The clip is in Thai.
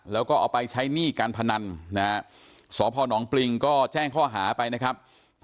แล้วก็เอาไปใช้หนี้การพนันนะฮะสพนปริงก็แจ้งข้อหาไปนะครับ